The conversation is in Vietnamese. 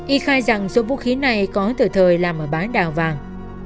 y khai rằng số vũ khí này có từ thời làm ở bán đào vàng